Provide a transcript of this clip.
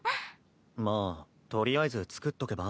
まあとりあえず作っとけば？